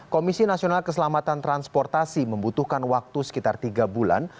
komisi nasional keselamatan transportasi membutuhkan waktu sekitar tiga bulan